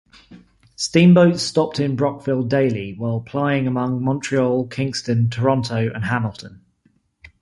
Steamboats stopped in Brockville daily while plying among Montreal, Kingston, Toronto and Hamilton.